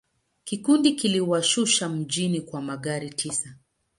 Kikundi kiliwashusha mjini kwa magari tisa.